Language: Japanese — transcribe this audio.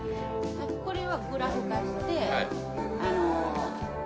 これはグラフ化してあの。